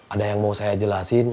ada yang mau saya jelasin